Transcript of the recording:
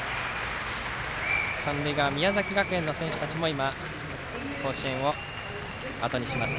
三塁側、宮崎学園の選手たちも甲子園をあとにします。